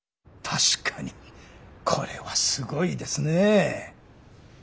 確かにこれはすごいですねぇ。